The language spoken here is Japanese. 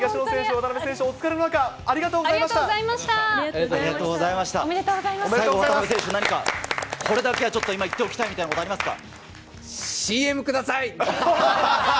渡辺選手、何かこれだけは今言っておきたいみたいなことはあＣＭください。